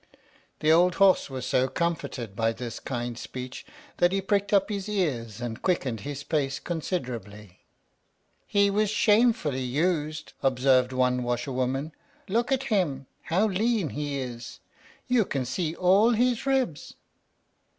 The old horse was so comforted by this kind speech, that he pricked up his ears and quickened his pace considerably. "He was shamefully used," observed one washer woman. "Look at him, how lean he is! You can see all his ribs."